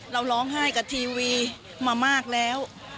เราร้องไห้กับทีวีมามากแล้ว